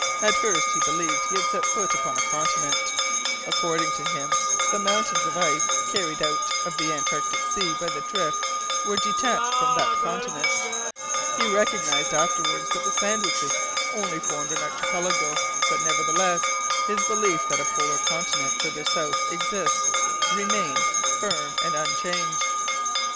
At first he believed he had set foot upon a continent. According to him, the mountains of ice carried out of the Antarctic Sea by the drift were detached from that continent. He recognized afterwards that the Sandwiches only formed an Archipelago, but, nevertheless, his belief that a polar continent farther south exists, remained firm and unchanged."